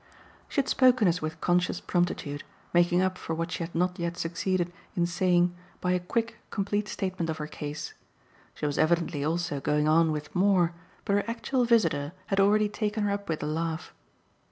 She had spoken as with conscious promptitude, making up for what she had not yet succeeded in saying by a quick, complete statement of her case. She was evidently also going on with more, but her actual visitor had already taken her up with a laugh.